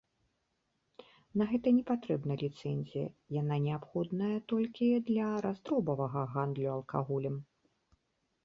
На гэта не патрэбна ліцэнзія, яна неабходная толькі для раздробавага гандлю алкаголем.